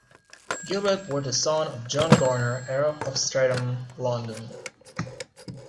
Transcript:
Gilbert was the son of John Garner Arrow of Streatham, London.